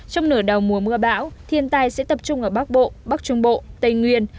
trong nửa đầu mùa mưa bão thiên tai sẽ tập trung ở bắc bộ bắc trung bộ tây nguyên